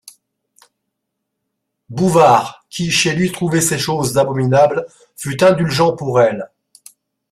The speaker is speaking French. Bouvard, qui chez lui trouvait ces choses abominables, fut indulgent pour elles.